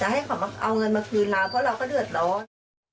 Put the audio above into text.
ให้เขาเอาเงินมาคืนเราเพราะเราก็เดือดร้อน